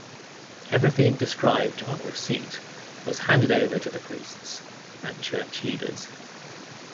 Everything described on receipt was handed over to the priests and church leaders.